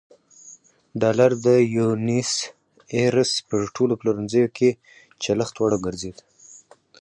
ډالر د بونیس ایرس په ټولو پلورنځیو کې چلښت وړ وګرځېد.